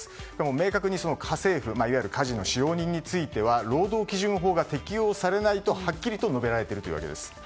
明確に、家政婦いわゆる家事の使用人については労働基準法が適用されないとはっきり述べられているわけです。